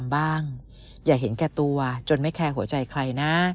อย่าเห็นแก่ตัวจนไม่แคร์หัวใจใครนะ